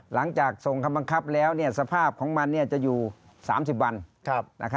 หลังจากส่งคำบังคับแล้วสภาพของมันจะอยู่๓๐วัน